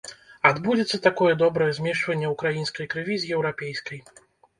Адбудзецца такое добрае змешванне ўкраінскай крыві з еўрапейскай.